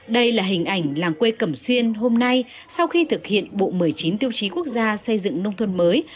đây là hình ảnh làng quê cẩm xuyên hôm nay sau khi thực hiện bộ một mươi chín tiêu chí quốc gia xây dựng nông thôn mới